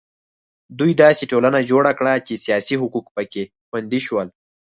دوی داسې ټولنه جوړه کړه چې سیاسي حقوق په کې خوندي شول.